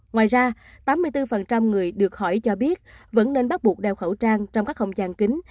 ngoài ra tám mươi bốn người được hỏi cho biết vẫn nên bắt buộc đeo khẩu trang trong các không gian kính